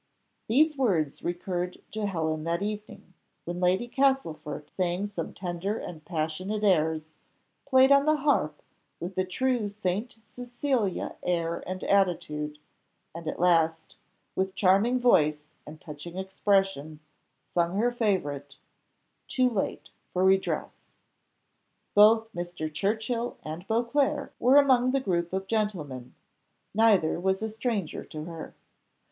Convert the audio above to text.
These words recurred to Helen that evening, when Lady Castlefort sang some tender and passionate airs; played on the harp with a true Saint Cecilia air and attitude; and at last, with charming voice and touching expression, sung her favourite "Too late for redress." Both Mr. Churchill and Beauclerc were among the group of gentlemen; neither was a stranger to her.